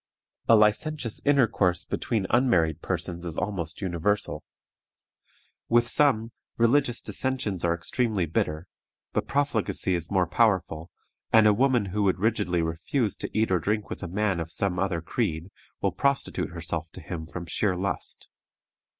A licentious intercourse between unmarried persons is almost universal. With some, religious dissensions are extremely bitter; but profligacy is more powerful, and a woman who would rigidly refuse to eat or drink with a man of some other creed, will prostitute herself to him from sheer lust.